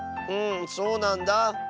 うんそうなんだ。